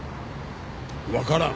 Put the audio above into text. わからん。